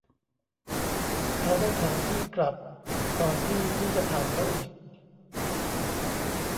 เค้าได้ถามพี่กลับ ก่อนที่พี่จะถามเค้าอีก